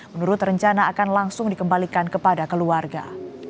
menurut rencana akan langsung dikembalikan kepada keluarga